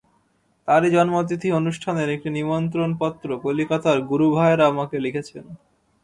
তাঁরই জন্মতিথি অনুষ্ঠানের একটি নিমন্ত্রণপত্র কলিকাতার গুরুভায়েরা আমাকে লিখেছেন।